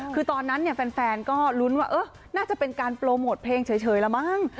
คือตอนนั้นแฟนก็ลุ้นว่าน่าจะเป็นการโปรโมทเพลงเฉยละมั้ง